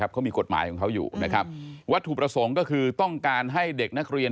เขามีกฎหมายของเขาอยู่นะครับวัตถุประสงค์ก็คือต้องการให้เด็กนักเรียน